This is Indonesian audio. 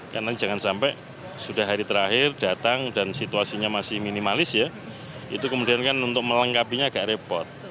karena jangan sampai sudah hari terakhir datang dan situasinya masih minimalis ya itu kemudian kan untuk melengkapinya agak repot